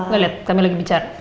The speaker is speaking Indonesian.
gak liat kami lagi bicara